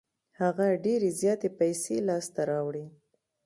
هغه ډېرې زياتې پیسې لاس ته راوړې.